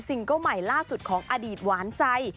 ซิงเก้าใหม่ล่าสุดของอดีตวานใจ